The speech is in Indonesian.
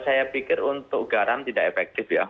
saya pikir untuk garam tidak efektif ya